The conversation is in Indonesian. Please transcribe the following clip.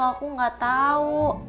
aku ga tau